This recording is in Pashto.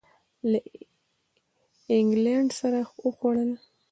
له اینګلینډ سره وخوړل.